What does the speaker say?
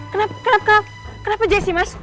kenapa kenapa kenapa kenapa jessi mas